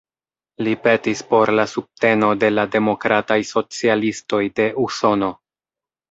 Li petis por la subteno de la Demokrataj Socialistoj de Usono.